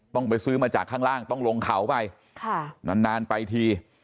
ต้องไปซื้อมาจากข้างล่างต้องลงเขาไปนานไปที